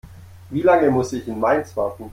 Wie lange muss ich in Mainz warten?